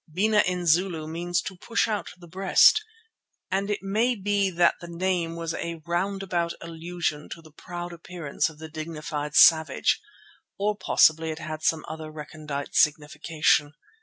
"Bena" in Zulu means to push out the breast and it may be that the name was a round about allusion to the proud appearance of the dignified Savage, or possibly it had some other recondite signification.